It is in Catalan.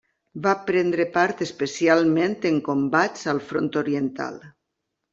Va prendre part especialment en combats al Front Oriental.